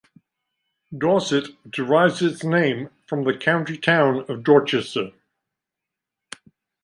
Dorset derives its name from the county town of Dorchester.